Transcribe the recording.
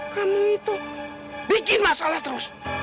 kamu itu bikin masalah terus